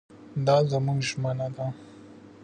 دا زموږ ژمنه ده.